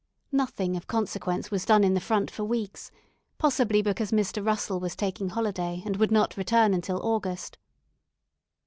Nothing of consequence was done in the front for weeks, possibly because Mr. Russell was taking holiday, and would not return until August.